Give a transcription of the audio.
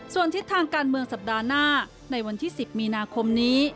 ส่วนทิศทางการเมืองสัปดาห์หน้าในวันที่๑๐มีนาคมนี้